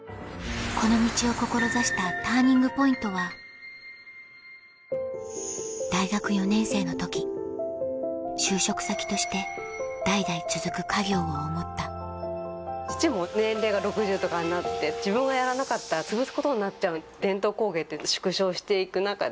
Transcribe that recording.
この道を志したＴＵＲＮＩＮＧＰＯＩＮＴは就職先として代々続く家業を思った父も年齢が６０とかになって自分がやらなかったらつぶすことになっちゃう伝統工芸って縮小していく中で。